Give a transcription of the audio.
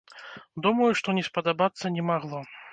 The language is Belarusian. Думаю, што не спадабацца не магло.